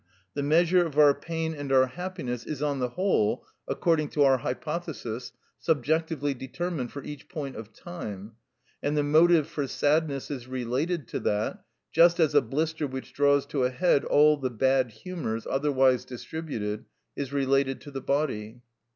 The measure of our pain and our happiness is on the whole, according to our hypothesis, subjectively determined for each point of time, and the motive for sadness is related to that, just as a blister which draws to a head all the bad humours otherwise distributed is related to the body.